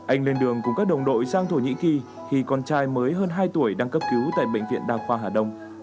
anh lên đường cùng các đồng đội sang thổ nhĩ kỳ khi con trai mới hơn hai tuổi đang cấp cứu tại bệnh viện đa khoa hà đông